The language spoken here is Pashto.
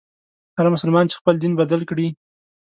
هر مسلمان چي خپل دین بدل کړي.